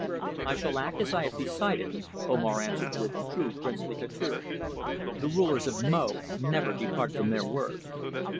"I shall act as I have decided," Omar answered with true princely hauteur. "The rulers of Mo never depart from their word."